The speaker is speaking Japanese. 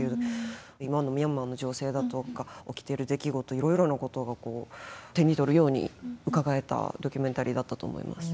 今のミャンマーの情勢だとか起きてる出来事いろいろなことが手に取るようにうかがえたドキュメンタリーだったと思います。